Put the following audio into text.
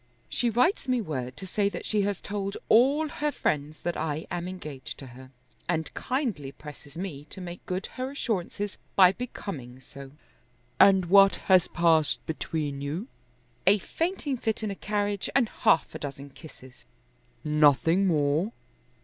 "She writes me word to say that she has told all her friends that I am engaged to her, and kindly presses me to make good her assurances by becoming so." "And what has passed between you?" "A fainting fit in a carriage and half a dozen kisses." "Nothing more?"